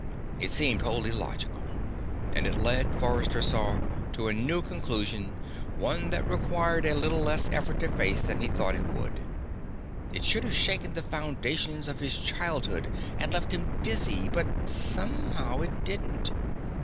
It seemed wholly logical. And it led, Forrester saw, to a new conclusion, one that required a little less effort to face than he thought it would. It should have shaken the foundations of his childhood and left him dizzy, but somehow it didn't.